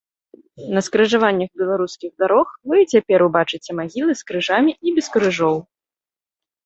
На скрыжаваннях беларускіх дарог вы і цяпер убачыце магілы з крыжамі і без крыжоў.